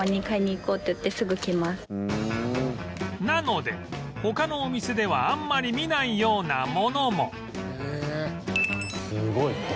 なので他のお店ではあんまり見ないようなものも